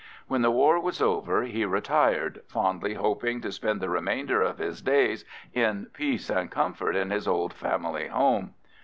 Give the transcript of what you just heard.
When the war was over he retired, fondly hoping to spend the remainder of his days in peace and comfort in his old family home.